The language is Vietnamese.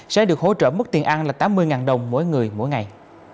sẽ được hỗ trợ mức tiền ăn là tám mươi đồng mỗi người mỗi ngày